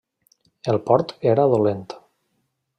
El port era dolent.